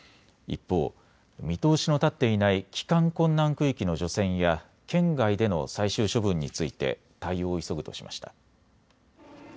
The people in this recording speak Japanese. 一方、見通しの立っていない帰還困難区域の除染や県外での最終処分について対応を急ぐとしました。